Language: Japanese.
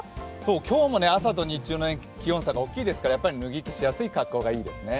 今日も朝と日中の気温差が大きいですから、脱ぎ着しやすい格好がいいですね。